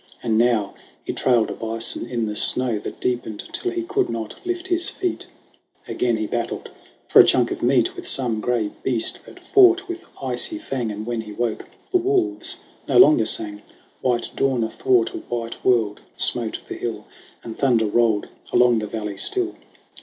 And now he trailed a bison in the snow That deepened till he could not lift his feet. Again, he battled for a chunk of meat With some gray beast that fought with icy fang. And when he woke, the wolves no longer sang ; White dawn athwart a white world smote the hill, And thunder rolled along the valley still.